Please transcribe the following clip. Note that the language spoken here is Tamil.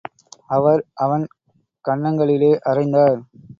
அவர், அவன் கன்னங்களிலே அறைந்தார்.